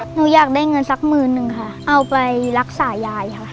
หนูอยากได้เงินสักหมื่นนึงค่ะเอาไปรักษายายค่ะ